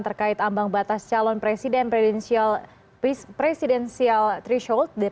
terkait ambang batas calon presiden presiden sial trishult